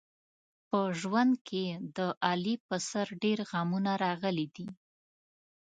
په ژوند کې د علي په سر ډېر غمونه راغلي دي.